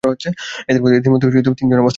এঁদের মধ্যে তিনজনের অবস্থা আশঙ্কাজনক।